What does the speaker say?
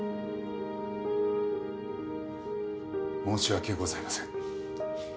申し訳ございません。